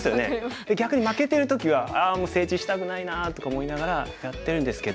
で逆に負けてる時は「ああもう整地したくないな」とか思いながらやってるんですけど。